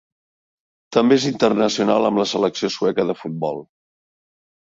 També és internacional amb la selecció sueca de futbol.